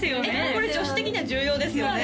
これ女子的には重要ですよね